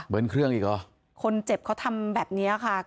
เบิ้ลเครื่องอีกหรอคนเจ็บเค้าทำแบบนี้ค่ะ